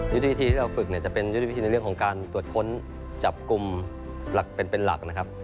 วิธีที่เราฝึกเนี่ยจะเป็นยุทธวิธีในเรื่องของการตรวจค้นจับกลุ่มเป็นหลักนะครับ